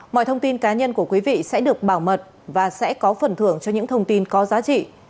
mọi thông tin cá nhân của quý vị sẽ được bảo mật và sẽ có phần thưởng cho những thông tin có giá trị